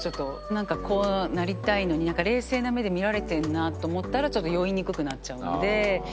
なんかこうなりたいのに冷静な目で見られてるなと思ったらちょっと酔いにくくなっちゃうので。